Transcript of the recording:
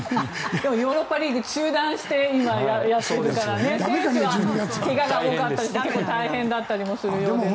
でもヨーロッパリーグ中断して今、やっていますから怪我が多かったりして大変だったりするようです。